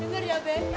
dengar ya be